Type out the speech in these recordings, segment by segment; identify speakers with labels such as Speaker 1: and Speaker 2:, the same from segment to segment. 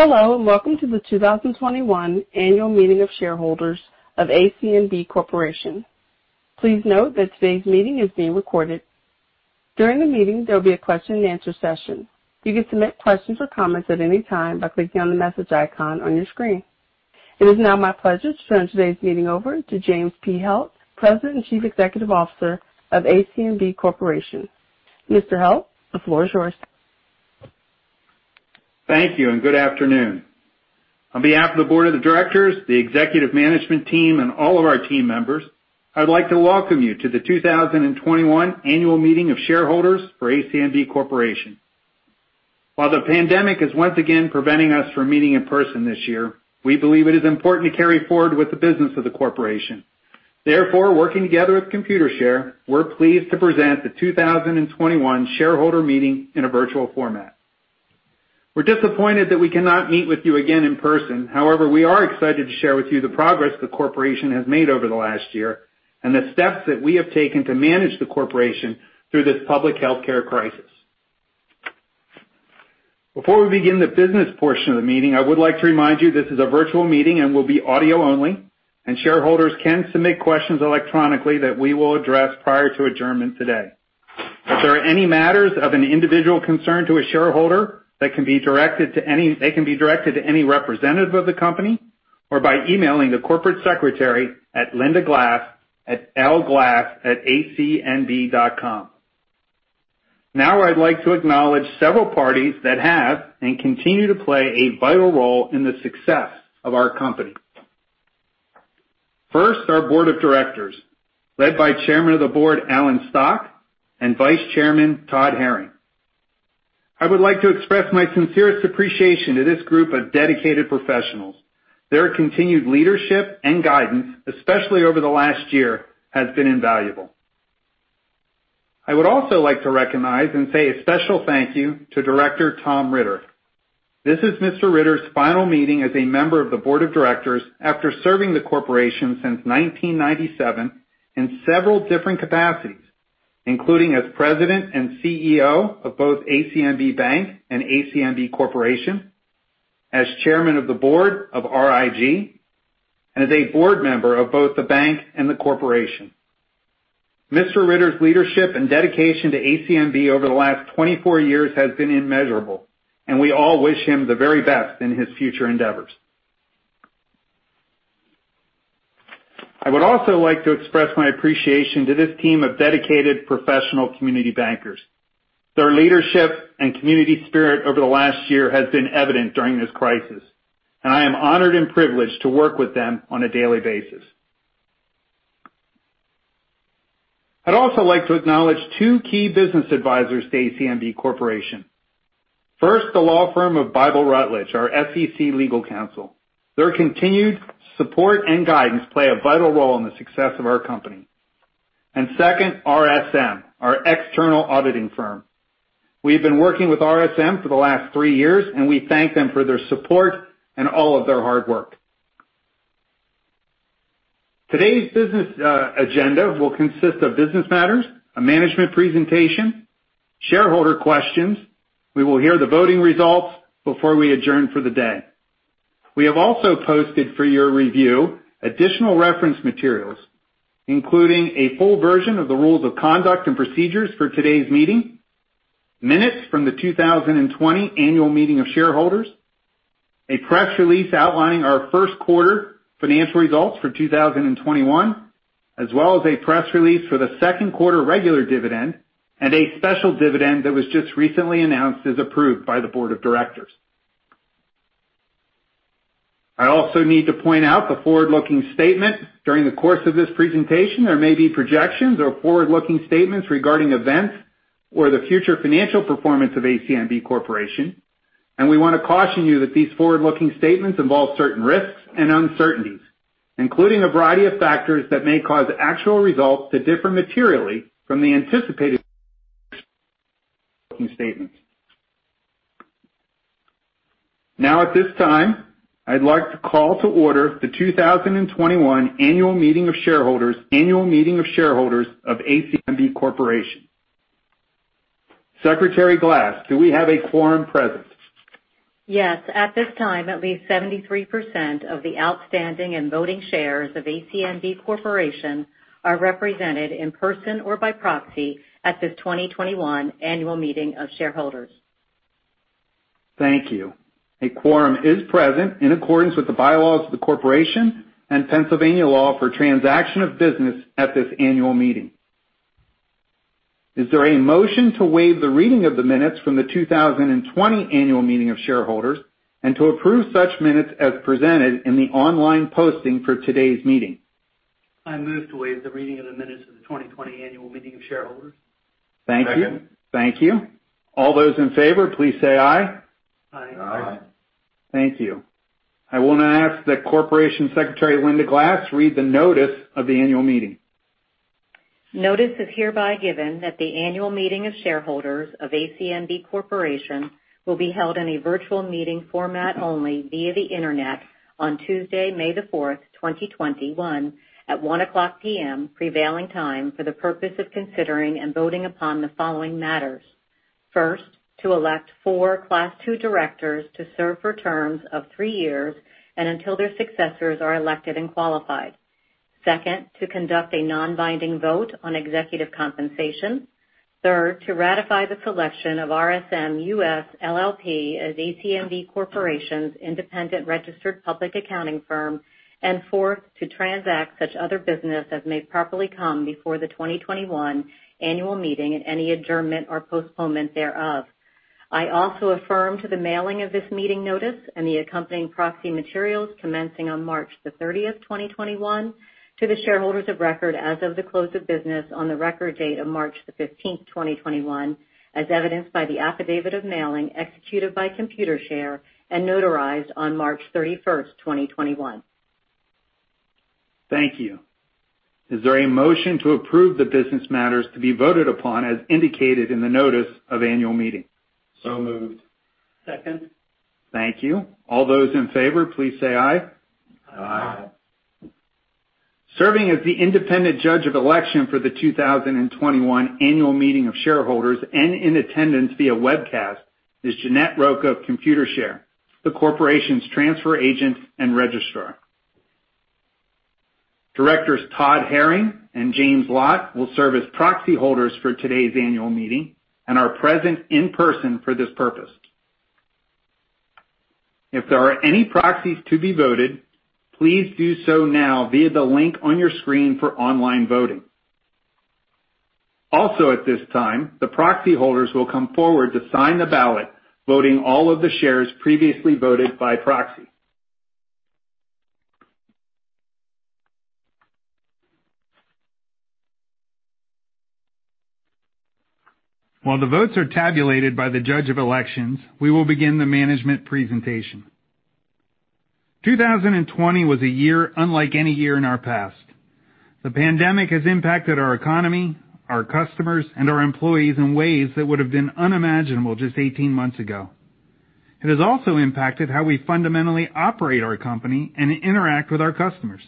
Speaker 1: Hello, and welcome to the 2021 annual meeting of shareholders of ACNB Corporation. Please note that today's meeting is being recorded. During the meeting, there'll be a question-and-answer session. You can submit questions or comments at any time by clicking on the message icon on your screen. It is now my pleasure to turn today's meeting over to James P. Helt, President and Chief Executive Officer of ACNB Corporation. Mr. Helt, the floor is yours.
Speaker 2: Thank you, and good afternoon. On behalf of the board of the directors, the executive management team, and all of our team members, I'd like to welcome you to the 2021 annual meeting of shareholders for ACNB Corporation. While the pandemic is once again preventing us from meeting in person this year, we believe it is important to carry forward with the business of the corporation. Therefore, working together with Computershare, we're pleased to present the 2021 shareholder meeting in a virtual format. We're disappointed that we cannot meet with you again in person. However, we are excited to share with you the progress the corporation has made over the last year and the steps that we have taken to manage the corporation through this public healthcare crisis. Before we begin the business portion of the meeting, I would like to remind you this is a virtual meeting and will be audio only, and shareholders can submit questions electronically that we will address prior to adjournment today. If there are any matters of an individual concern to a shareholder, they can be directed to any representative of the company or by emailing the Corporate Secretary at Lynda Glass at lglass@acnb.com. Now, I'd like to acknowledge several parties that have and continue to play a vital role in the success of our company. First, our Board of Directors, led by Chairman of the Board, Alan Stock, and Vice Chairman, Todd Herring. I would like to express my sincerest appreciation to this group of dedicated professionals. Their continued leadership and guidance, especially over the last year, has been invaluable. I would also like to recognize and say a special thank you to Director Tom Ritter. This is Mr. Ritter's final meeting as a member of the board of directors after serving the Corporation since 1997 in several different capacities, including as President and CEO of both ACNB Bank and ACNB Corporation, as Chairman of the Board of RIG, and as a board member of both the Bank and the Corporation. Mr. Ritter's leadership and dedication to ACNB over the last 24 years has been immeasurable, and we all wish him the very best in his future endeavors. I would also like to express my appreciation to this team of dedicated professional community bankers. Their leadership and community spirit over the last year has been evident during this crisis, and I am honored and privileged to work with them on a daily basis. I'd also like to acknowledge two key business advisors to ACNB Corporation. First, the law firm of Bybel Rutledge, our SEC legal counsel. Their continued support and guidance play a vital role in the success of our company. Second, RSM, our external auditing firm. We've been working with RSM for the last three years, and we thank them for their support and all of their hard work. Today's business agenda will consist of business matters, a management presentation, shareholder questions. We will hear the voting results before we adjourn for the day. We have also posted for your review additional reference materials, including a full version of the rules of conduct and procedures for today's meeting, minutes from the 2020 annual meeting of shareholders, a press release outlining our first quarter financial results for 2021, as well as a press release for the second quarter regular dividend and a special dividend that was just recently announced as approved by the board of directors. I also need to point out the forward-looking statement. During the course of this presentation, there may be projections or forward-looking statements regarding events or the future financial performance of ACNB Corporation. We want to caution you that these forward-looking statements involve certain risks and uncertainties, including a variety of factors that may cause actual results to differ materially from the anticipated statements. Now, at this time, I'd like to call to order the 2021 annual meeting of shareholders of ACNB Corporation. Secretary Glass, do we have a quorum present?
Speaker 1: Yes. At this time, at least 73% of the outstanding and voting shares of ACNB Corporation are represented in person or by proxy at this 2021 annual meeting of shareholders.
Speaker 2: Thank you. A quorum is present in accordance with the bylaws of the Corporation and Pennsylvania law for transaction of business at this annual meeting. Is there a motion to waive the reading of the minutes from the 2020 annual meeting of shareholders and to approve such minutes as presented in the online posting for today's meeting? I move to waive the reading of the minutes of the 2020 annual meeting of shareholders. Thank you.
Speaker 3: Second.
Speaker 2: Thank you. All those in favor, please say aye. Aye.
Speaker 3: Aye.
Speaker 2: Thank you. I will now ask that Corporation Secretary, Lynda Glass, read the notice of the annual meeting.
Speaker 1: Notice is hereby given that the annual meeting of shareholders of ACNB Corporation will be held in a virtual meeting format only via the Internet on Tuesday, May the 4th, 2021 at 1:00 P.M. prevailing time for the purpose of considering and voting upon the following matters. First, to elect four Class II directors to serve for terms of three years and until their successors are elected and qualified. Second, to conduct a non-binding vote on executive compensation. Third, to ratify the selection of RSM US LLP as ACNB Corporation's independent registered public accounting firm. Fourth, to transact such other business as may properly come before the 2021 annual meeting and any adjournment or postponement thereof. I also affirm to the mailing of this meeting notice and the accompanying proxy materials commencing on March 30th, 2021 to the shareholders of record as of the close of business on the record date of March 15th, 2021, as evidenced by the affidavit of mailing executed by Computershare and notarized on March 31st, 2021.
Speaker 2: Thank you. Is there a motion to approve the business matters to be voted upon as indicated in the notice of annual meeting?
Speaker 3: So moved.
Speaker 4: Second.
Speaker 2: Thank you. All those in favor, please say aye.
Speaker 3: Aye.
Speaker 4: Aye.
Speaker 2: Serving as the independent judge of election for the 2021 annual meeting of shareholders and in attendance via webcast is Jeanette Rocha of Computershare, the corporation's transfer agent and registrar. Directors Todd Herring and James Lott will serve as proxy holders for today's annual meeting and are present in person for this purpose. If there are any proxies to be voted, please do so now via the link on your screen for online voting. Also, at this time, the proxy holders will come forward to sign the ballot, voting all of the shares previously voted by proxy. While the votes are tabulated by the judge of elections, we will begin the management presentation. 2020 was a year unlike any year in our past. The pandemic has impacted our economy, our customers, and our employees in ways that would have been unimaginable just 18 months ago. It has also impacted how we fundamentally operate our company and interact with our customers.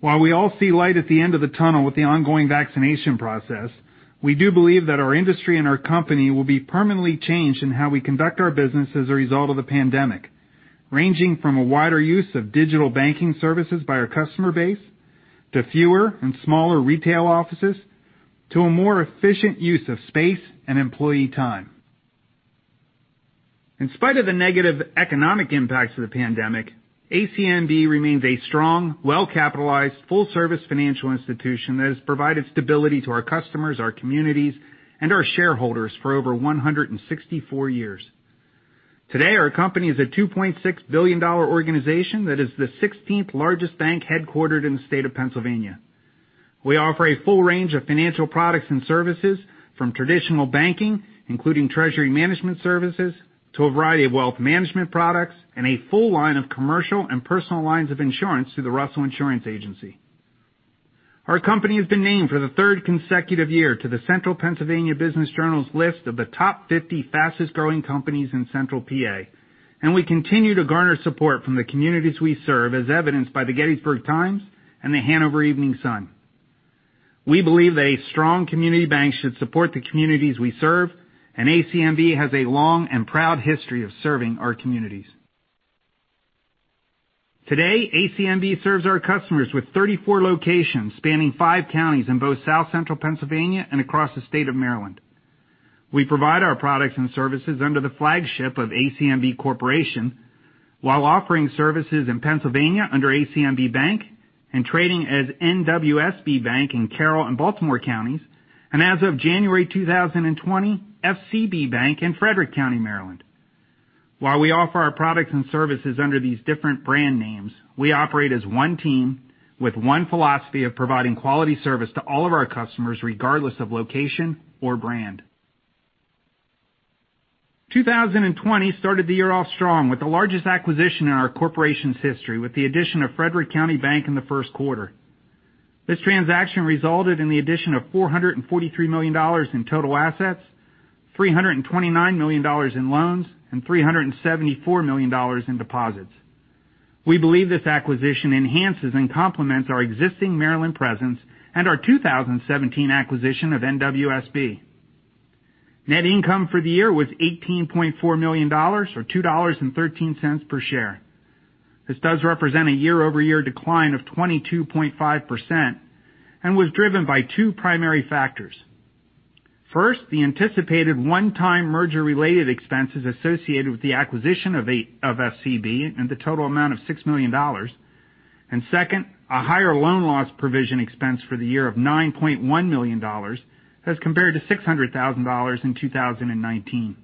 Speaker 2: While we all see light at the end of the tunnel with the ongoing vaccination process, we do believe that our industry and our company will be permanently changed in how we conduct our business as a result of the pandemic, ranging from a wider use of digital banking services by our customer base to fewer and smaller retail offices, to a more efficient use of space and employee time. In spite of the negative economic impacts of the pandemic, ACNB remains a strong, well-capitalized, full-service financial institution that has provided stability to our customers, our communities, and our shareholders for over 164 years. Today, our company is a $2.6 billion organization that is the 16th largest bank headquartered in the state of Pennsylvania. We offer a full range of financial products and services, from traditional banking, including treasury management services, to a variety of wealth management products and a full line of commercial and personal lines of insurance through the Russell Insurance Group. Our company has been named for the third consecutive year to the Central Pennsylvania Business Journal's list of the top 50 fastest-growing companies in Central PA, and we continue to garner support from the communities we serve, as evidenced by the Gettysburg Times and the Hanover Evening Sun. We believe a strong community bank should support the communities we serve. ACNB has a long and proud history of serving our communities. Today, ACNB serves our customers with 34 locations spanning five counties in both South Central Pennsylvania and across the state of Maryland. We provide our products and services under the flagship of ACNB Corporation while offering services in Pennsylvania under ACNB Bank and trading as NWSB Bank in Carroll and Baltimore Counties and as of January 2020, FCB Bank in Frederick County, Maryland. While we offer our products and services under these different brand names, we operate as one team with one philosophy of providing quality service to all of our customers, regardless of location or brand. 2020 started the year off strong with the largest acquisition in our corporation's history with the addition of Frederick County Bank in the first quarter. This transaction resulted in the addition of $443 million in total assets, $329 million in loans, and $374 million in deposits. We believe this acquisition enhances and complements our existing Maryland presence and our 2017 acquisition of NWSB. Net income for the year was $18.4 million, or $2.13 per share. This does represent a year-over-year decline of 22.5% and was driven by two primary factors. First, the anticipated one-time merger-related expenses associated with the acquisition of FCB in the total amount of $6 million. Second, a higher loan loss provision expense for the year of $9.1 million as compared to $600,000 in 2019.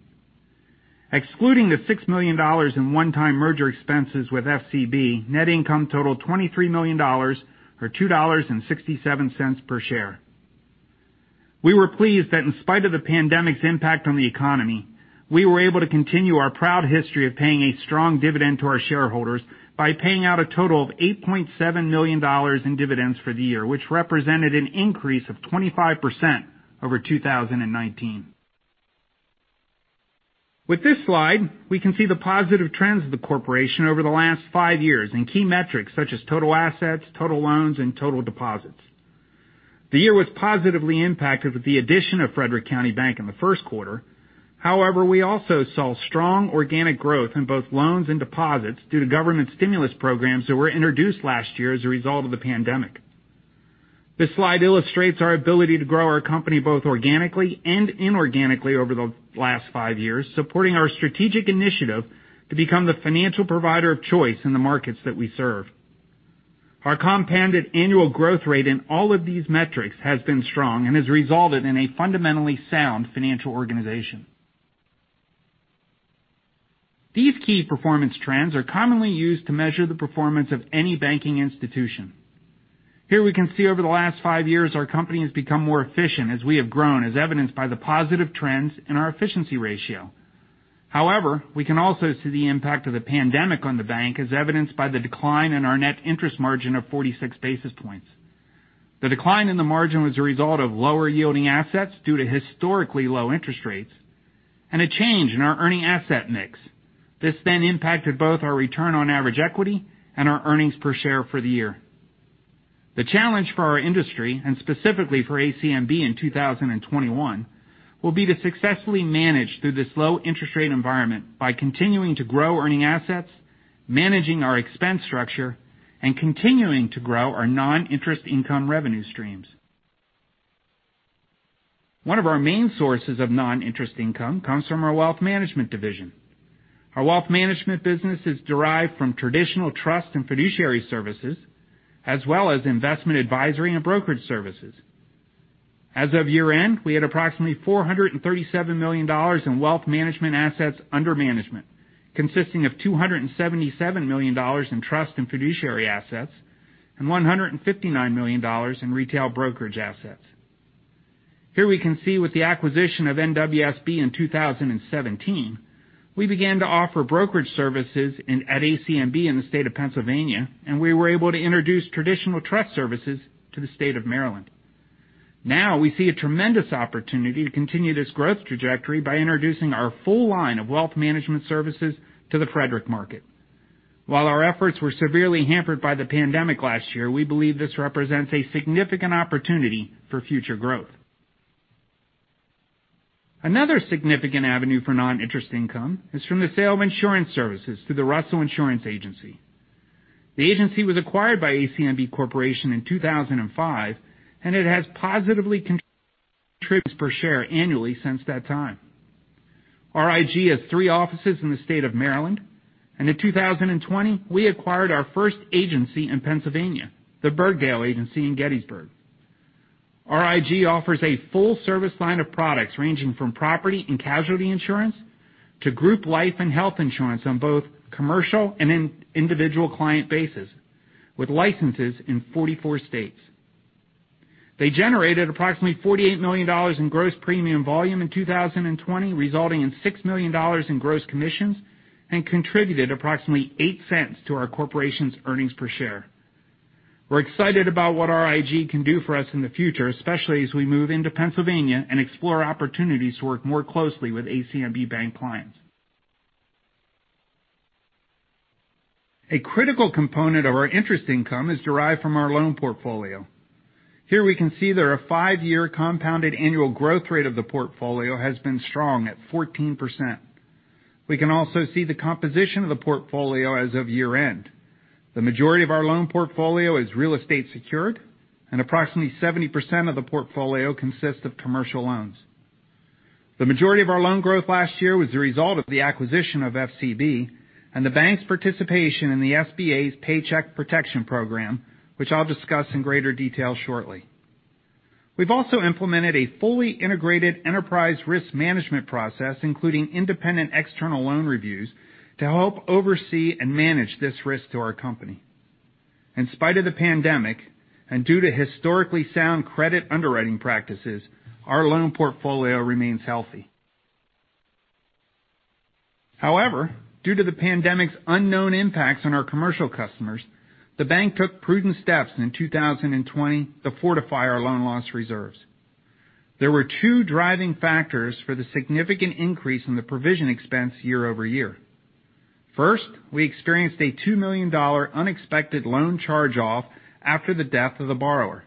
Speaker 2: Excluding the $6 million in one-time merger expenses with FCB, net income totaled $23 million, or $2.67 per share. We were pleased that in spite of the pandemic's impact on the economy, we were able to continue our proud history of paying a strong dividend to our shareholders by paying out a total of $8.7 million in dividends for the year, which represented an increase of 25% over 2019. With this slide, we can see the positive trends of the corporation over the last five years in key metrics such as total assets, total loans, and total deposits. The year was positively impacted with the addition of Frederick County Bank in the first quarter. However, we also saw strong organic growth in both loans and deposits due to government stimulus programs that were introduced last year as a result of the pandemic. This slide illustrates our ability to grow our company both organically and inorganically over the last five years, supporting our strategic initiative to become the financial provider of choice in the markets that we serve. Our compounded annual growth rate in all of these metrics has been strong and has resulted in a fundamentally sound financial organization. These key performance trends are commonly used to measure the performance of any banking institution. Here we can see over the last five years, our company has become more efficient as we have grown, as evidenced by the positive trends in our efficiency ratio. However, we can also see the impact of the pandemic on the bank, as evidenced by the decline in our net interest margin of 46 basis points. The decline in the margin was a result of lower yielding assets due to historically low interest rates and a change in our earning asset mix. This impacted both our return on average equity and our earnings per share for the year. The challenge for our industry, specifically for ACNB in 2021, will be to successfully manage through this low interest rate environment by continuing to grow earning assets, managing our expense structure, and continuing to grow our non-interest income revenue streams. One of our main sources of non-interest income comes from our wealth management division. Our wealth management business is derived from traditional trust and fiduciary services, as well as investment advisory and brokerage services. As of year-end, we had approximately $437 million in wealth management assets under management, consisting of $277 million in trust and fiduciary assets and $159 million in retail brokerage assets. Here we can see with the acquisition of NWSB in 2017, we began to offer brokerage services at ACNB in the state of Pennsylvania, and we were able to introduce traditional trust services to the state of Maryland. Now, we see a tremendous opportunity to continue this growth trajectory by introducing our full line of wealth management services to the Frederick market. While our efforts were severely hampered by the pandemic last year, we believe this represents a significant opportunity for future growth. Another significant avenue for non-interest income is from the sale of insurance services through the Russell Insurance Group. The agency was acquired by ACNB Corporation in 2005, and it has positively contributed earnings per share annually since that time. RIG has three offices in the state of Maryland, and in 2020, we acquired our first agency in Pennsylvania, the Bergsdale Agency in Gettysburg. RIG offers a full service line of products ranging from property and casualty insurance to group life and health insurance on both commercial and individual client bases, with licenses in 44 states. They generated approximately $48 million in gross premium volume in 2020, resulting in $6 million in gross commissions and contributed approximately $0.8 to our corporation's earnings per share. We're excited about what RIG can do for us in the future, especially as we move into Pennsylvania and explore opportunities to work more closely with ACNB Bank clients. A critical component of our interest income is derived from our loan portfolio. Here we can see that our five-year compounded annual growth rate of the portfolio has been strong at 14%. We can also see the composition of the portfolio as of year-end. The majority of our loan portfolio is real estate secured, and approximately 70% of the portfolio consists of commercial loans. The majority of our loan growth last year was the result of the acquisition of FCB and the bank's participation in the SBA's Paycheck Protection Program, which I'll discuss in greater detail shortly. We've also implemented a fully integrated enterprise risk management process, including independent external loan reviews, to help oversee and manage this risk to our company. In spite of the pandemic, and due to historically sound credit underwriting practices, our loan portfolio remains healthy. However, due to the pandemic's unknown impacts on our commercial customers, the bank took prudent steps in 2020 to fortify our loan loss reserves. There were two driving factors for the significant increase in the provision expense year-over-year. We experienced a $2 million unexpected loan charge-off after the death of the borrower.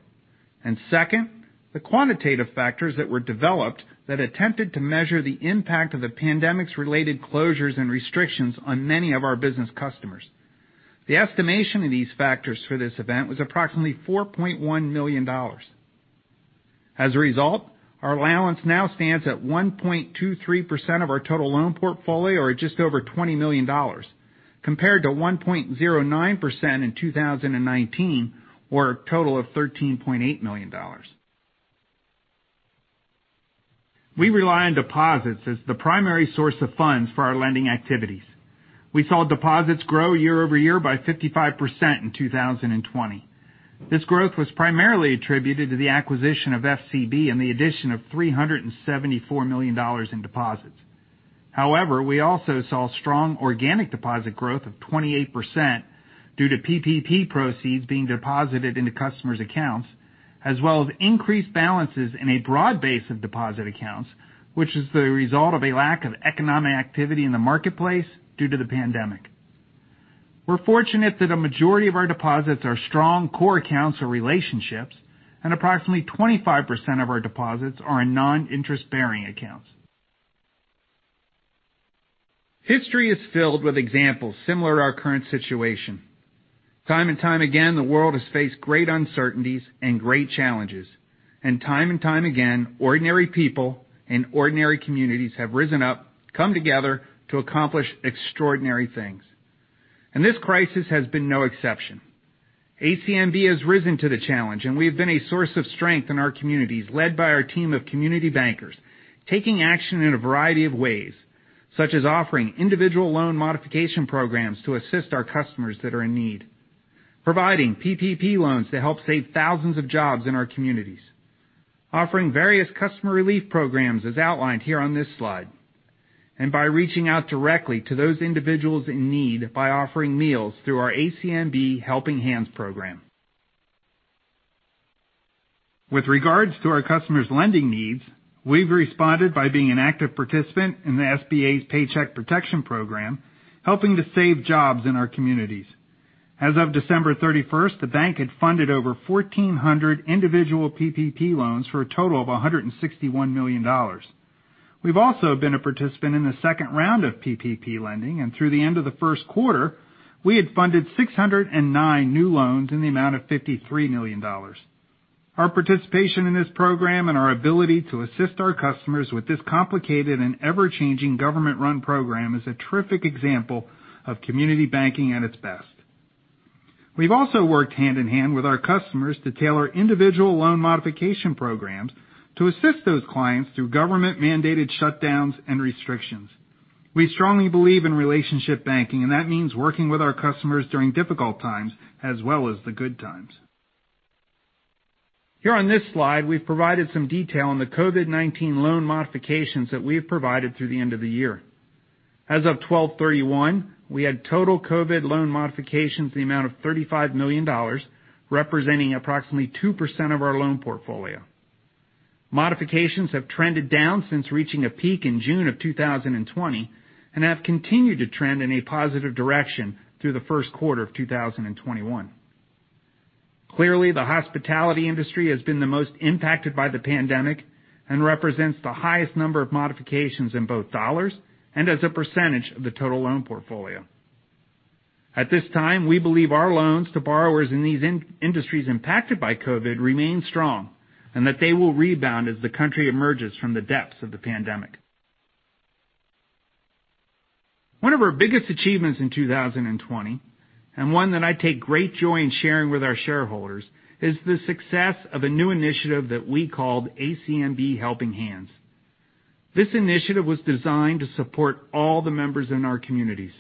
Speaker 2: Second, the quantitative factors that were developed that attempted to measure the impact of the pandemic-related closures and restrictions on many of our business customers. The estimation of these factors for this event was approximately $4.1 million. As a result, our allowance now stands at 1.23% of our total loan portfolio, or just over $20 million, compared to 1.09% in 2019 or a total of $13.8 million. We rely on deposits as the primary source of funds for our lending activities. We saw deposits grow year-over-year by 55% in 2020. This growth was primarily attributed to the acquisition of FCB and the addition of $374 million in deposits. However, we also saw strong organic deposit growth of 28% due to PPP proceeds being deposited into customers' accounts, as well as increased balances in a broad base of deposit accounts, which is the result of a lack of economic activity in the marketplace due to the pandemic. We're fortunate that a majority of our deposits are strong core accounts or relationships, and approximately 25% of our deposits are in non-interest-bearing accounts. History is filled with examples similar to our current situation. Time and time again, the world has faced great uncertainties and great challenges. Time and time again, ordinary people and ordinary communities have risen up, come together to accomplish extraordinary things. This crisis has been no exception. ACNB has risen to the challenge, and we have been a source of strength in our communities, led by our team of community bankers, taking action in a variety of ways, such as offering individual loan modification programs to assist our customers that are in need, providing PPP loans to help save thousands of jobs in our communities, offering various customer relief programs, as outlined here on this slide, and by reaching out directly to those individuals in need by offering meals through our ACNB Helping Hands program. With regards to our customers' lending needs, we've responded by being an active participant in the SBA's Paycheck Protection Program, helping to save jobs in our communities. As of December 31st, the bank had funded over 1,400 individual PPP loans for a total of $161 million. We've also been a participant in the second round of PPP lending, and through the end of the first quarter, we had funded 609 new loans in the amount of $53 million. Our participation in this program and our ability to assist our customers with this complicated and ever-changing government-run program is a terrific example of community banking at its best. We've also worked hand-in-hand with our customers to tailor individual loan modification programs to assist those clients through government-mandated shutdowns and restrictions. We strongly believe in relationship banking, and that means working with our customers during difficult times as well as the good times. Here on this slide, we've provided some detail on the COVID-19 loan modifications that we have provided through the end of the year. As of December 31, we had total COVID loan modifications in the amount of $35 million, representing approximately 2% of our loan portfolio. Modifications have trended down since reaching a peak in June of 2020 and have continued to trend in a positive direction through the first quarter of 2021. Clearly, the hospitality industry has been the most impacted by the pandemic and represents the highest number of modifications in both dollars and as a percentage of the total loan portfolio. At this time, we believe our loans to borrowers in these industries impacted by COVID remain strong and that they will rebound as the country emerges from the depths of the pandemic. One of our biggest achievements in 2020, and one that I take great joy in sharing with our shareholders, is the success of a new initiative that we called ACNB Helping Hands. This initiative was designed to support all the members in our communities.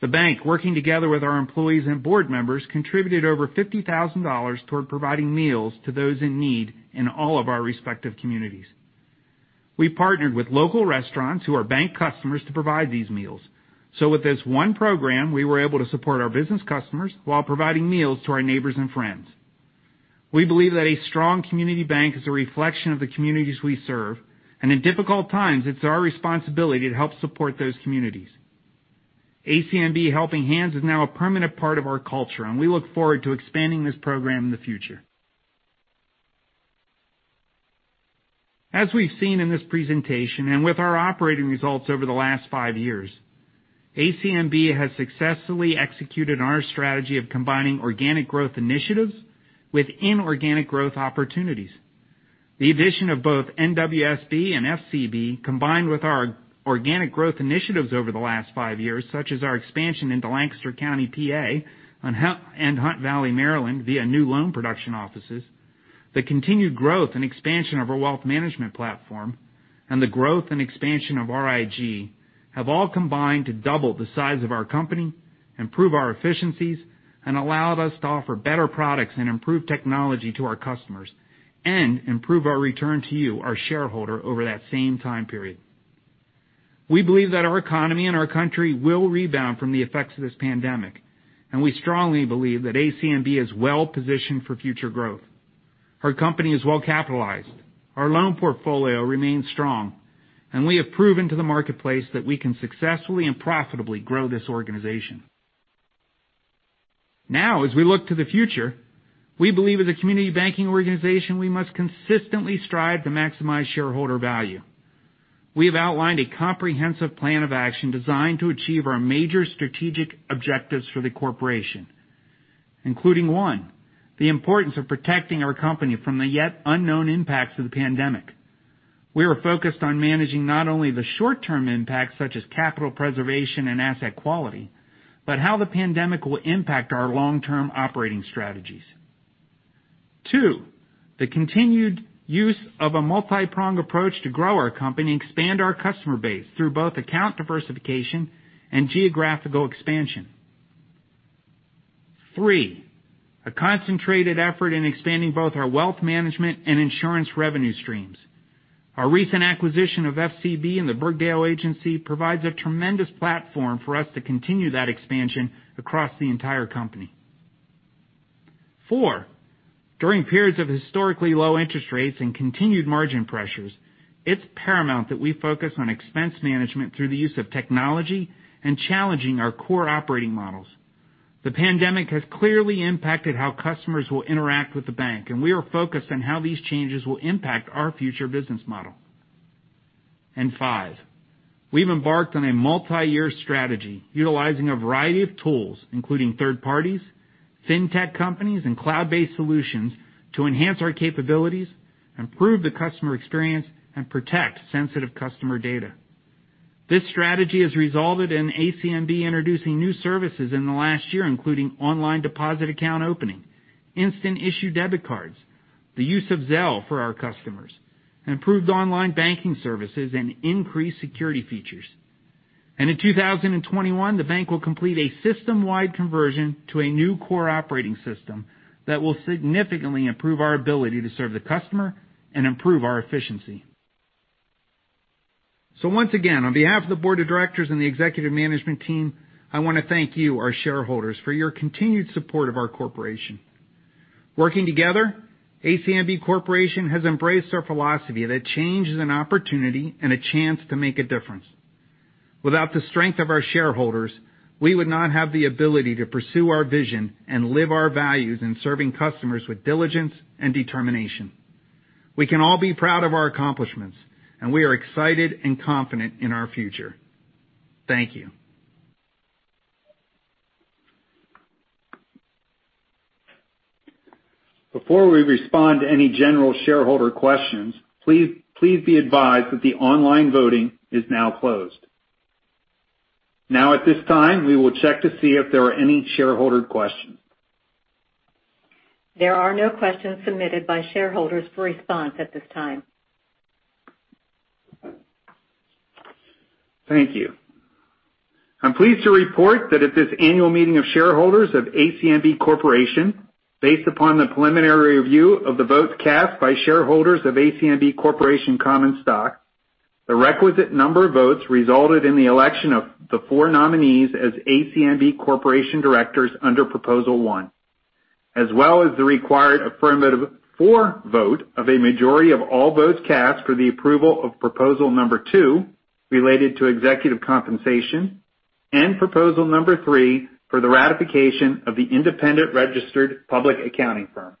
Speaker 2: The bank, working together with our employees and board members, contributed over $50,000 toward providing meals to those in need in all of our respective communities. We partnered with local restaurants who are bank customers to provide these meals. With this one program, we were able to support our business customers while providing meals to our neighbors and friends. We believe that a strong community bank is a reflection of the communities we serve, and in difficult times, it's our responsibility to help support those communities. ACNB Helping Hands is now a permanent part of our culture, and we look forward to expanding this program in the future. As we've seen in this presentation and with our operating results over the last five years, ACNB has successfully executed on our strategy of combining organic growth initiatives with inorganic growth opportunities. The addition of both NWSB and FCB, combined with our organic growth initiatives over the last five years, such as our expansion into Lancaster County, PA, and Hunt Valley, Maryland, via new loan production offices, the continued growth and expansion of our wealth management platform, and the growth and expansion of RIG, have all combined to double the size of our company, improve our efficiencies, and allowed us to offer better products and improved technology to our customers and improve our return to you, our shareholder, over that same time period. We believe that our economy and our country will rebound from the effects of this pandemic, and we strongly believe that ACNB is well-positioned for future growth. Our company is well-capitalized. Our loan portfolio remains strong, and we have proven to the marketplace that we can successfully and profitably grow this organization. As we look to the future, we believe as a community banking organization, we must consistently strive to maximize shareholder value. We have outlined a comprehensive plan of action designed to achieve our major strategic objectives for the corporation, including, one, the importance of protecting our company from the yet unknown impacts of the pandemic. We are focused on managing not only the short-term impacts, such as capital preservation and asset quality, but how the pandemic will impact our long-term operating strategies. Two, the continued use of a multipronged approach to grow our company and expand our customer base through both account diversification and geographical expansion. Three, a concentrated effort in expanding both our wealth management and insurance revenue streams. Our recent acquisition of FCB and the Burgdale Agency provides a tremendous platform for us to continue that expansion across the entire company. Four, during periods of historically low interest rates and continued margin pressures, it is paramount that we focus on expense management through the use of technology and challenging our core operating models. The pandemic has clearly impacted how customers will interact with the bank, and we are focused on how these changes will impact our future business model. Five, we've embarked on a multi-year strategy utilizing a variety of tools, including third parties, fintech companies, and cloud-based solutions to enhance our capabilities, improve the customer experience, and protect sensitive customer data. This strategy has resulted in ACNB introducing new services in the last year, including online deposit account opening, instant issue debit cards, the use of Zelle for our customers, improved online banking services, and increased security features. In 2021, the bank will complete a system-wide conversion to a new core operating system that will significantly improve our ability to serve the customer and improve our efficiency. Once again, on behalf of the board of directors and the executive management team, I want to thank you, our shareholders, for your continued support of our corporation. Working together, ACNB Corporation has embraced our philosophy that change is an opportunity and a chance to make a difference. Without the strength of our shareholders, we would not have the ability to pursue our vision and live our values in serving customers with diligence and determination. We can all be proud of our accomplishments, and we are excited and confident in our future. Thank you. Before we respond to any general shareholder questions, please be advised that the online voting is now closed. At this time, we will check to see if there are any shareholder questions.
Speaker 1: There are no questions submitted by shareholders for response at this time.
Speaker 2: Thank you. I'm pleased to report that at this annual meeting of shareholders of ACNB Corporation, based upon the preliminary review of the votes cast by shareholders of ACNB Corporation common stock, the requisite number of votes resulted in the election of the four nominees as ACNB Corporation directors under proposal one, as well as the required affirmative for vote of a majority of all votes cast for the approval of proposal number two related to executive compensation and proposal number three for the ratification of the independent registered public accounting firm.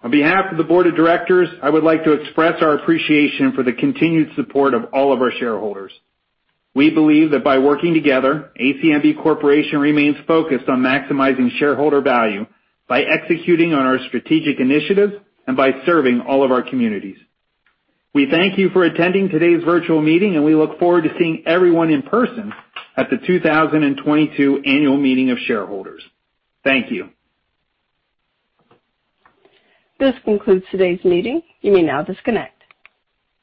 Speaker 2: On behalf of the board of directors, I would like to express our appreciation for the continued support of all of our shareholders. We believe that by working together, ACNB Corporation remains focused on maximizing shareholder value by executing on our strategic initiatives and by serving all of our communities. We thank you for attending today's virtual meeting, and we look forward to seeing everyone in person at the 2022 annual meeting of shareholders. Thank you.
Speaker 1: This concludes today's meeting. You may now disconnect.